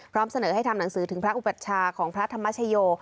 เสนอให้ทำหนังสือถึงพระอุบัชชาของพระธรรมชโย